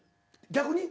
逆に？